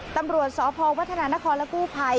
ตำรวจสพวัฒนานครและกู้ภัย